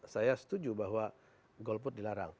saya setuju bahwa golput dilarang